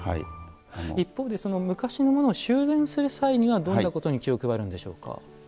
一方で昔のものを修繕する際にはどんなことに気を配るんでしょうか。